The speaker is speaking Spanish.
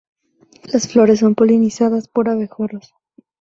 Las flores son polinizadas por abejorros.